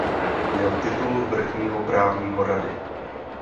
Měl titul vrchního právního rady.